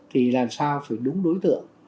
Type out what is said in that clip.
thì làm sao phải đúng đối tượng